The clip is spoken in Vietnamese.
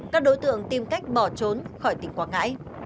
các đối tượng tìm cách bỏ trốn khỏi tỉnh quảng ngãi